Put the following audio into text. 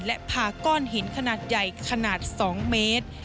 และพาก้อนหินขนาดใหญ่ขนาด๒เมตร